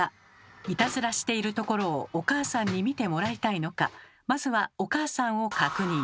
いたずらしているところをお母さんに見てもらいたいのかまずはお母さんを確認。